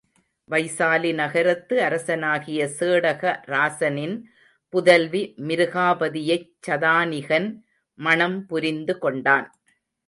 வைசாலி நகரத்து அரசனாகிய சேடக ராசனின் புதல்வி மிருகாபதியைச் சதானிகன் மணம் புரிந்துகொண்டான்.